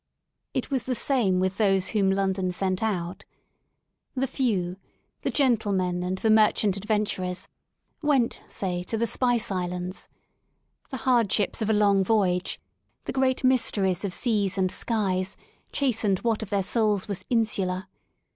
It was the same with those whom London sent out. The few — the gentlemen and the merchant adventurers — went, say, to the Spice Islands. The hardships of a long voyage, the great mysteries of seas and skies, chastened what of their souls was insular.